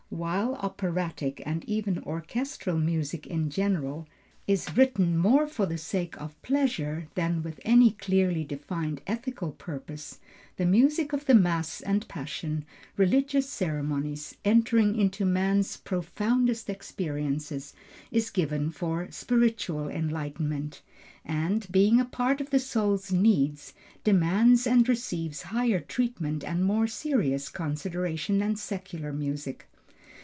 While operatic and even orchestral music in general, is written more for the sake of giving pleasure than with any clearly defined ethical purpose, the music of the Mass and Passion, religious ceremonies, entering into man's profoundest experiences, is given for spiritual enlightenment, and, being a part of the soul's needs, demands and receives higher treatment and more serious consideration than secular music.